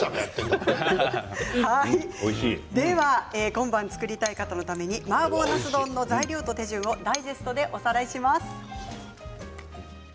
今晩、作りたい方のためにマーボーなす丼の材料と手順をダイジェストでおさらいします。